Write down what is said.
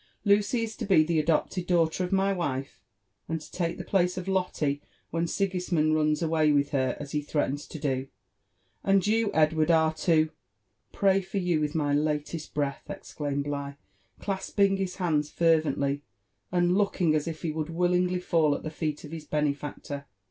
Lucy is to be the adopted daughter of my wife, and to take the place of Lolte when Sigismond runs away with her, as he threatens to do; and you, Edward are to "*' Pray for you with my latest breath!" exclaimed Bligh, clasping his hands fervently, and looking as if he would willingly fall at the feet of his benefactor.